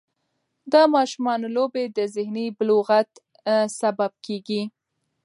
د ماشومانو لوبې د ذهني بلوغت سبب کېږي.